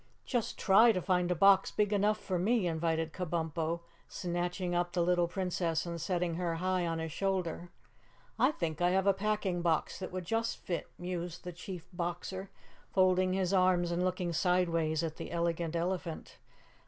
"Just try to find a box big enough for me!" invited Kabumpo, snatching up the little Princess and setting her high on his shoulder. "I think I have a packing box that would just fit," mused the Chief Boxer, folding his arms and looking sideways at the Elegant Elephant.